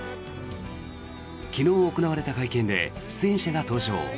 昨日行われた会見で出演者が登場。